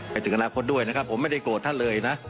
ไปถึงอนาคตด้วยนะครับผมไม่ได้โกรธท่านเลยนะ